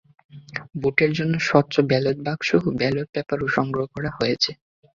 ভোটের জন্য স্বচ্ছ ব্যালট বাক্স এবং ব্যালট পেপারও সংগ্রহ করা হয়েছে।